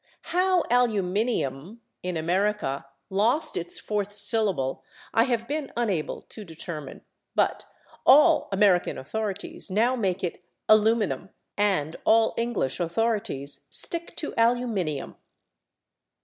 How /aluminium/, in America, lost its fourth syllable I have been unable to determine, but all American authorities now make it /aluminum/ and all English authorities stick to /aluminium